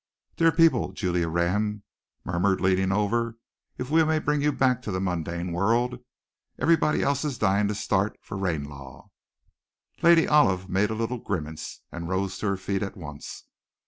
"Dear people," Julia Raynham murmured, leaning over, "if we may bring you back to the mundane world, everybody else is dying to start for Ranelagh." Lady Olive made a little grimace, and rose to her feet at once.